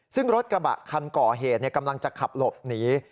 ซึ่งรถกระบะคันก่อเหตุกำลังจะขับหลบหนี